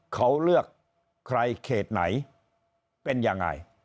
เขาเลือกใครเขตไหนเป็นยังไง